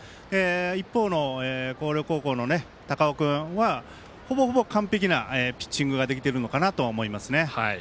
一方の広陵高校の高尾君はほぼほぼ完璧なピッチングができているのかなとは思いますね。